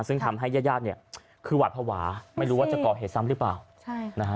ซึ่งทำให้ญาติคือหวัดภาวะไม่รู้ว่าจะเกาะเหตุซ้ำหรือเปล่า